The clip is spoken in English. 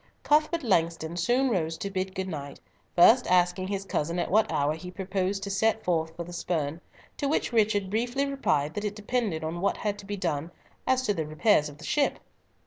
Cuthbert Langston soon rose to bid good night, first asking his cousin at what hour he proposed to set forth for the Spurn, to which Richard briefly replied that it depended on what had to be done as to the repairs of the ship.